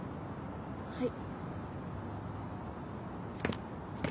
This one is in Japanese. はい。